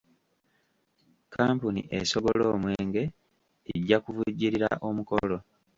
Kkampuni esogola omwenge ejja kuvujjirira omukolo.